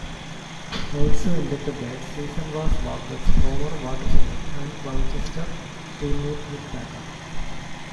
Also inducted that season was Walker's former Watford and Colchester teammate Mick Packer.